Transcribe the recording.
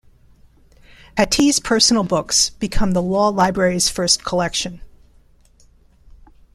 Pattee's personal books become the law library's first collection.